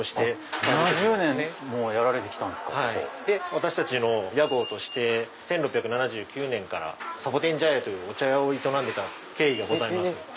私たちの屋号として１６７９年から覇王樹茶屋というお茶屋を営んでた経緯がございます。